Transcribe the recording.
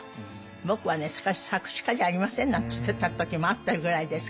「僕は作詞家じゃありません」なんて言ってた時もあったぐらいですからね。